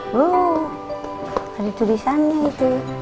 wuh ada tulisannya itu